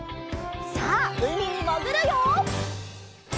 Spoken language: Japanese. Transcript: さあうみにもぐるよ！